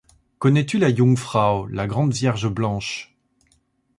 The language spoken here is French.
Connais-tu la Jungfrau, la grande vierge blanche ?